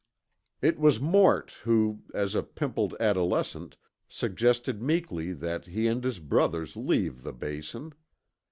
It was Mort who, as a pimpled adolescent, suggested meekly that he and his brothers leave the Basin.